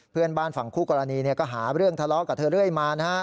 เพื่อนบ้านฝั่งคู่กรณีก็หาเรื่องทะเลาะกับเธอเรื่อยมานะฮะ